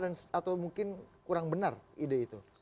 atau mungkin kurang benar ide itu